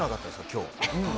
今日。